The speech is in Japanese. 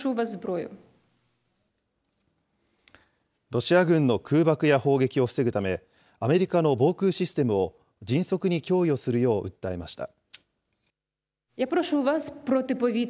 ロシア軍の空爆や砲撃を防ぐため、アメリカの防空システムを迅速に供与するよう訴えました。